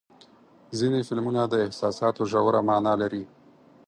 ځینې فلمونه د احساساتو ژوره معنا لري.